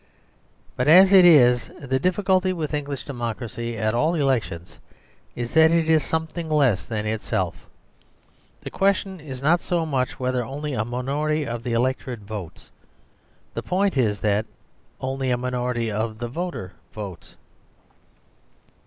But as it is, the difficulty with English democracy at all elections is that it is something less than itself. The question is not so much whether only a minority of the electorate votes. The point is that only a minority of the voter votes.